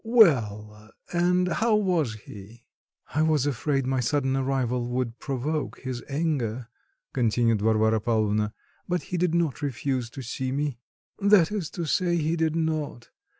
Well, and how was he?" "I was afraid my sudden arrival would provoke his anger," continued Varvara Pavlovna, "but he did not refuse to see me." "That is to say, he did not...